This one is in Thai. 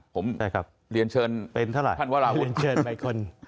ผมเรียนเชิญท่านว่าราวุฒิเป็นเท่าไรเรียนเชิญใหม่คน